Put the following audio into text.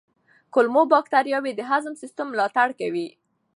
کولمو بکتریاوې د هضم سیستم ملاتړ کوي.